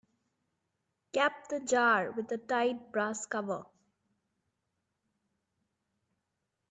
Cap the jar with a tight brass cover.